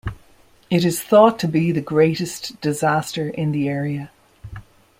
It is thought to be the greatest disaster in the area.